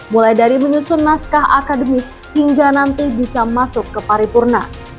mulai dari menyusun naskah akademis hingga nanti bisa masuk ke paripurna